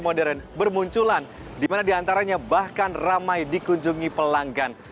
modern bermunculan dimana diantaranya bahkan ramai dikunjungi pelanggan